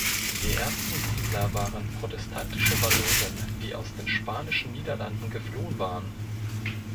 Die ersten Siedler waren protestantische Wallonen, die aus den spanischen Niederlanden geflohen waren.